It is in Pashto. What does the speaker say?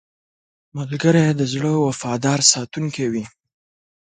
ملګری د زړه وفادار ساتونکی وي